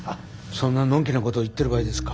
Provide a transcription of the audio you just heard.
そんなのんきなことを言ってる場合ですか。